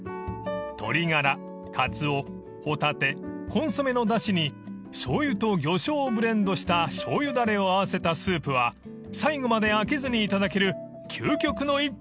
［鶏がらカツオホタテコンソメのだしにしょうゆと魚醤をブレンドしたしょうゆだれを合わせたスープは最後まで飽きずに頂ける究極の一杯］